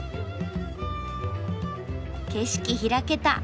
景色開けた。